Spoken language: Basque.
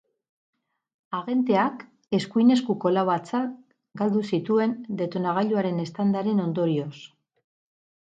Agenteak eskuin eskuko lau hatz galdu zituen detonagailuaren eztandaren ondorioz.